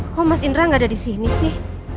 kok mas indra nggak ada di sini sih